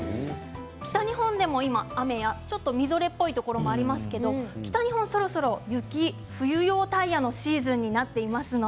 北日本でも今、雨やちょっとみぞれっぽいところもありますけれど北日本はそろそろ雪、冬用タイヤのシーズンになってきます。